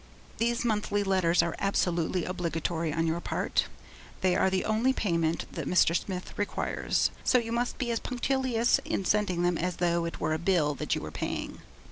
These monthly letters are absolutely obligatory on your part; they are the only payment that Mr. Smith requires, so you must be as punctilious in sending them as though it were a bill that you were paying.